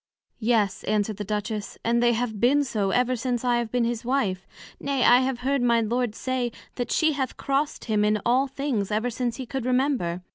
Yes, answered the Duchess, and they have been so ever since I have been his Wife: nay, I have heard my Lord say, That she hath crossed him in all things, ever since he could remember.